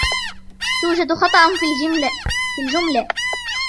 توجد خطأ في الجملة.